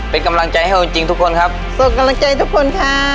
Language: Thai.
เราลองแล้วกัน